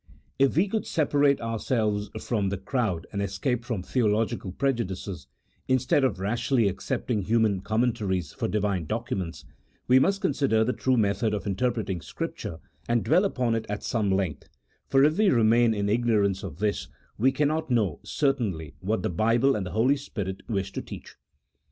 H we would separate ourselves from the crowd and escape from theological prejudices, instead of rashly accepting human commentaries for Divine documents, we must con sider the true method of interpreting Scripture and dwell upon it at some length : for if we remain in ignorance of this we cannot know, certainly, what the Bible and the Holy Spirit wish to teach.